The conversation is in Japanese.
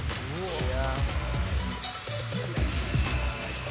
いや。